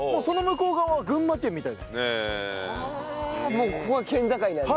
もうここが県境なんだ。